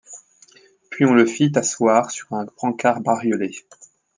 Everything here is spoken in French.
Puis on le fit asseoir sur un brancard bariolé.